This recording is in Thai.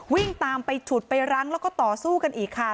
วิ่งตามไปฉุดไปรั้งแล้วก็ต่อสู้กันอีกค่ะ